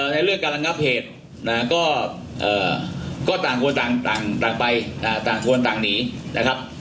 ในเรื่องการระงับเหตุก็ต่างคนต่างไปต่างคนต่างหนีนะครับ